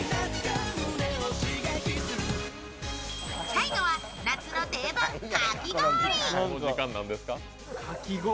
最後は夏の定番、かき氷。